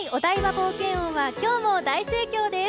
冒険王は今日も大盛況です。